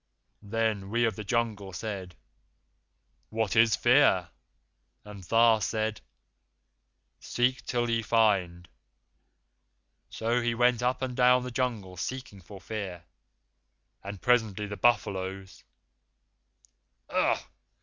Then we of the jungle said, 'What is Fear?' And Tha said, 'Seek till ye find.' So we went up and down the Jungle seeking for Fear, and presently the buffaloes " "Ugh!"